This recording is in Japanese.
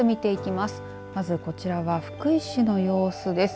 まずこちらは福井市の様子です。